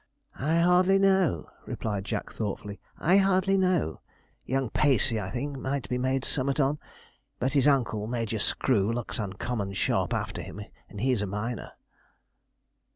'I hardly know,' replied Jack thoughtfully. 'I hardly know. Young Pacey, I think, might be made summut on; but his uncle, Major Screw, looks uncommon sharp after him, and he's a minor.'